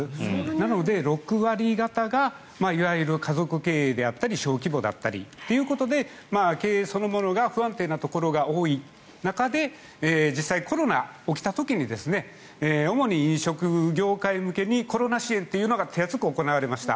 なので６割方がいわゆる家族経営であったり小規模だったりということで経営そのものが不安定なところが多い中で実際コロナが起きた時に主に飲食業界向けにコロナ支援というのが手厚く行われました。